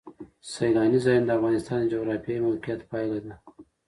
سیلانی ځایونه د افغانستان د جغرافیایي موقیعت پایله ده.